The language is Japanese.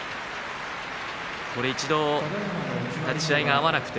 一度、立ち合い合わなくて